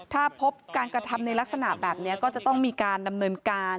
ถ้าพบการกระทำในลักษณะแบบนี้ก็จะต้องมีการดำเนินการ